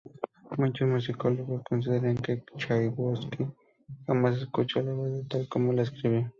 Muchos musicólogos consideran que Chaikovski jamás escuchó la obra tal como la escribió.